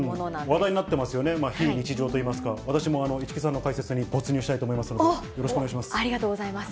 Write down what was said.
話題になってますよね、非日常といいますか、私も市來さんの解説に没入したいと思いますので、よろしくお願いありがとうございます。